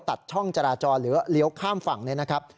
ตัดช่องจราจรหรือเลี้ยวข้ามฝั่งเนี่ยนะครับ